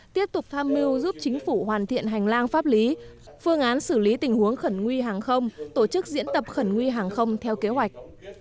tiếp tục tham mưu giúp chính phủ hoàn thiện hành lang pháp lý phương án xử lý tình huống khẩn nguy hàng không tổ chức diễn tập khẩn nguy hàng không theo kế hoạch